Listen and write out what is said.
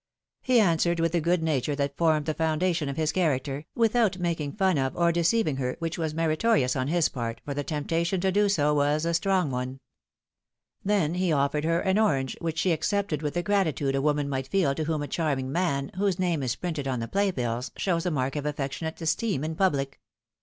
He answered with the good nature that formed the foundation of his character, without making fun of or deceiving her, which was meritorious on his part, for the temptation to do so was a strong one. Then he offered her an orange, which she accepted with the gratitude a woman might feel to whom a charming man, whose name is printed on the play bills, shows a mark of affectionate esteem in public.